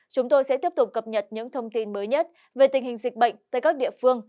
chúng tôi sẽ tiếp tục cập nhật những thông tin mới nhất về tình hình dịch bệnh tới các địa phương